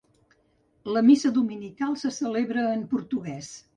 La missa dominical se celebra en portuguès.